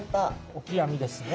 オキアミですね。